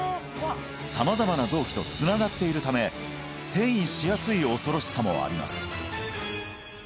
様々な臓器とつながっているため転移しやすい恐ろしさもあります